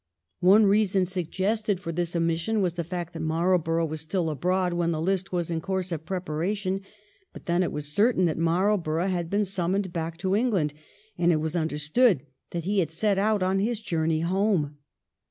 One reason suggested for this omission was the fact that Marlborough was still abroad when the Hst was in course of preparation; but then it was certain that Marlborough had been summoned back to England, and it was understood that he had set out on his journey home.